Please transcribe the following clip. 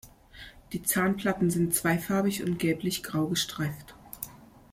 Die Zahnplatten sind zweifarbig und gelblich-grau gestreift.